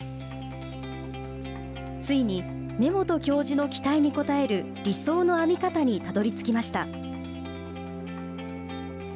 ついに根本教授の期待に応える理想の編み方にたどりつきました。